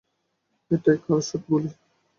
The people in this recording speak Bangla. এটাই কার্সড বুলি?